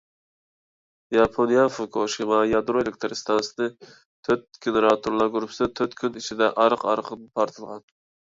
ياپونىيە فۇكۇشىما يادرو ئېلېكتىر ئىستانسىسىنىڭ تۆت گېنېراتورلار گۇرۇپپىسى تۆت كۈن ئىچىدە ئارقا-ئارقىدىن پارتلىغان.